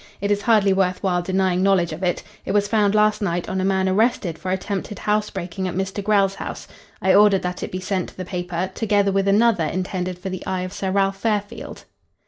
It is hardly worth while denying knowledge of it. It was found last night on a man arrested for attempted housebreaking at Mr. Grell's house. I ordered that it be sent to the paper, together with another intended for the eye of Sir Ralph Fairfield."